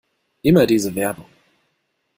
Immer diese Werbung!